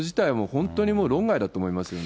本当にもう論外だと思いますよね。